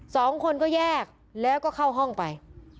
สองคนก็แยกแล้วก็เข้าห้องไป